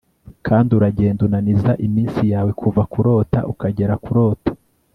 kandi uragenda, unaniza iminsi yawe kuva kurota ukagera kurota